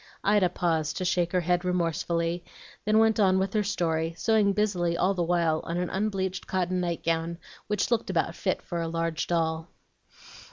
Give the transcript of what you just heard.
Ida paused to shake her head remorsefully, then went on with her story, sewing busily all the while on an unbleached cotton night gown which looked about fit for a large doll.